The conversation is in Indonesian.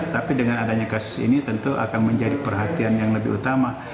tapi dengan adanya kasus ini tentu akan menjadi perhatian yang lebih utama